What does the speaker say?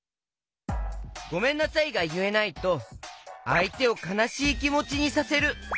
「ごめんなさい」がいえないとあいてをかなしいきもちにさせる！